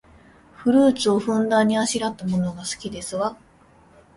フルーツをふんだんにあしらったものが好きですわ